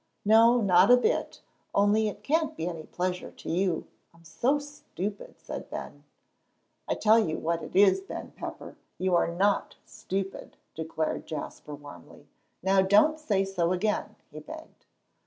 "No, not a bit; only it can't be any pleasure to you, I'm so stupid," said Ben. "I tell you what it is, Ben Pepper, you are not stupid," declared Jasper, warmly; "now don't say so again," he begged.